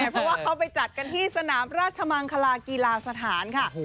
เพราะว่าเขาไปจัดกันที่สนามราชมังคลากีฬาสถานค่ะ